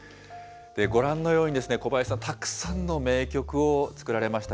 ご覧のように、小林さん、たくさんの名曲を作られました。